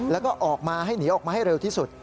แล้วก็ออกมาให้หนีออกมาให้เร็วที่สุด